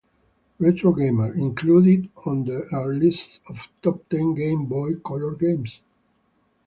"Retro Gamer" included it on their list of top ten Game Boy Color games.